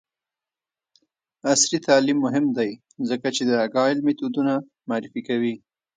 عصري تعلیم مهم دی ځکه چې د اګایل میتودونه معرفي کوي.